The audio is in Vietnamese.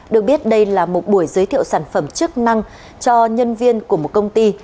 được biết đây là một buổi giới thiệu sản phẩm chức năng cho nhân viên của một công ty